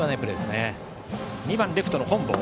２番、レフトの本坊。